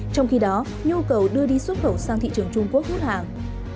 trong khi đó nhu cầu đưa đi xuất khẩu sang thị trường trung quốc hút hàng